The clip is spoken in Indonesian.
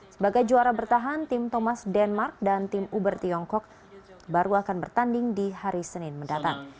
sebagai juara bertahan tim thomas denmark dan tim uber tiongkok baru akan bertanding di hari senin mendatang